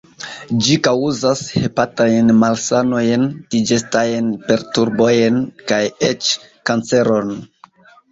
Ĝi kaŭzas hepatajn malsanojn, digestajn perturbojn kaj eĉ kanceron.